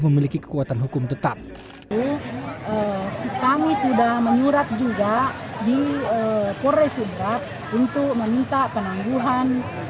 memiliki kekuatan hukum tetap kami sudah menyurat juga di polres sudrap untuk meminta penangguhan